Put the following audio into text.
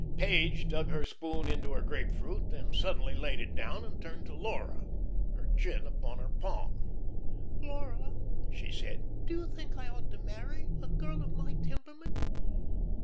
Page dug her spoon into her grape fruit, then suddenly laid it down and turned to Laura, her chin upon her palm. "Laura," she said, "do you think I ought to marry a girl of my temperament?"